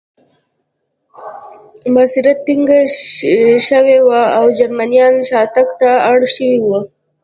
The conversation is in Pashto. محاصره تنګه شوې وه او جرمنان شاتګ ته اړ شوي وو